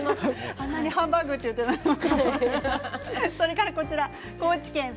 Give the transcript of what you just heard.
あんなにハンバーグと言っていたのに。